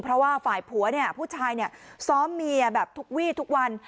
เพราะว่าฝ่ายผัวเนี่ยผู้ชายซ้อมเมียแบบทุกวี่ทุกวัน